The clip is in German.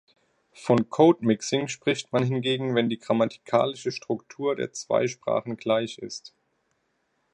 Von Code-Mixing spricht man hingegen, wenn die grammatikalische Struktur der zwei Sprachen gleich ist.